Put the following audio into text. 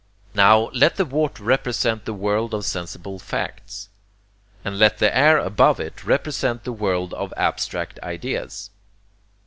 Now let the water represent the world of sensible facts, and let the air above it represent the world of abstract ideas.